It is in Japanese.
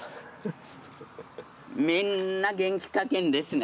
みんな元気かけんですね。